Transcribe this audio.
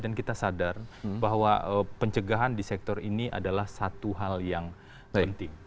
dan kita sadar bahwa pencegahan di sektor ini adalah satu hal yang penting